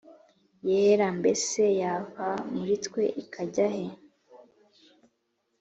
yera Mbese yava muri twe ikajya he